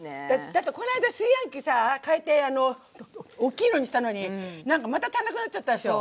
だってこの間炊飯器さ替えて大きいのにしたのにまた足んなくなっちゃったでしょ。